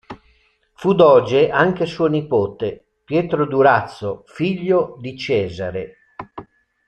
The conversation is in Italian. Fu doge anche suo nipote, Pietro Durazzo, figlio di Cesare.